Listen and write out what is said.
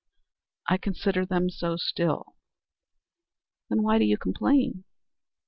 "I consider them so still." "Then why do you complain?"